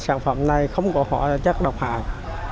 sản phẩm này không có hóa chất độc hại